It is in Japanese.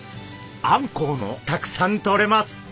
あんこうもたくさんとれます。